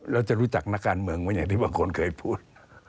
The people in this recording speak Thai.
แล้วจะรู้จักนักการเมืองไหมอย่างที่บางคนเคยพูด